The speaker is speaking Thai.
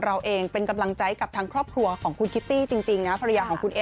เราเองเป็นกำลังใจกับทางครอบครัวของคุณคิตตี้จริงนะ